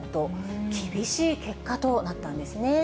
厳しい結果となったんですね。